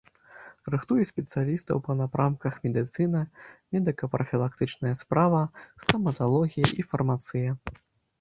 Рыхтуе спецыялістаў па напрамках медыцына, медыка-прафілактычная справа, стаматалогія і фармацыя.